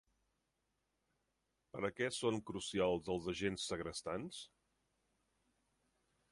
Per a què són crucials els agents segrestants?